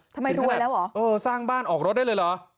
ทำไมรวยแล้วเหรอเออสร้างบ้านออกรถได้เลยเหรอ